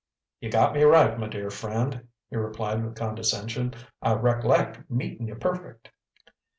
"You got me right, m'dear friend," he replied with condescension; "I rec'leck meetin' you perfect."